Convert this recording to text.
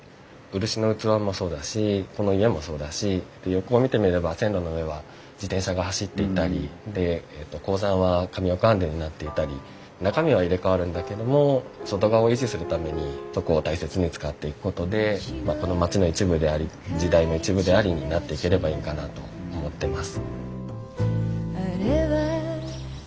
漆の器もそうだしこの家もそうだし横を見てみれば線路の上は自転車が走っていたりで鉱山はカミオカンデになっていたり中身は入れ代わるんだけども外側を維持するためにそこを大切に使っていくことでまあこの町の一部であり時代の一部でありになっていければいいんかなと思ってます。